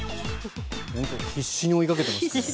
必死に追いかけてますね。